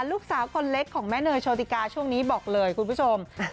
ลูกสาวคนเล็กของแม่เนยโชติกาช่วงนี้บอกเลยคุณผู้ชม